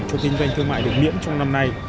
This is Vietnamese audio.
cho kinh doanh thương mại được miễn trong năm nay